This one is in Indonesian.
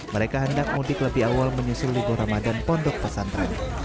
mereka hendak mudik lebih awal menyusul libur ramadan pondok pesantren